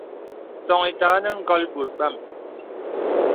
Sɔ̄ŋ itāgā nə ngɔ̀l bòt bam.